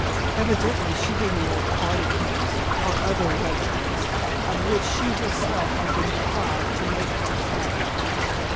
Evidently she didn't want party capes or other luxuries, of which she herself had been deprived, to make folks happy.